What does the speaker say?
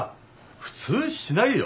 普通しないよ。